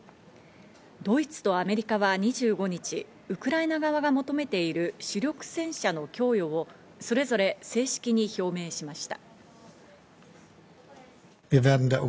ドイツとアメリカは２５日、ウクライナ側が求めている主力戦車の供与を、それぞれ正式に表明しました。